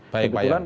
baik pak yan